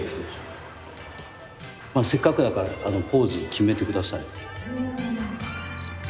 せっかくだからポーズを決めてください。